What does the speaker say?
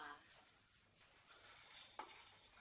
gak tau juga